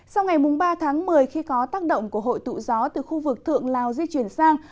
sau ngày ba tháng một mươi khi có tác động của hội tụ gió từ khu vực thượng lào di chuyển sang